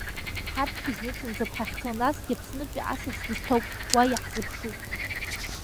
Ҳарҭ Измиҭынӡоуп ҳахьцо, насгьы Аԥснытәи асас дысҭоуп, уа иаҳзыԥшуп.